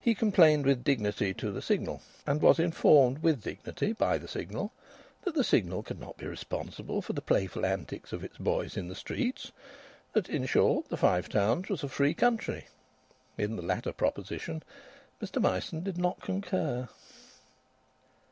He complained with dignity to the Signal, and was informed with dignity by the Signal that the Signal could not be responsible for the playful antics of its boys in the streets; that, in short, the Five Towns was a free country. In the latter proposition Mr Myson did not concur.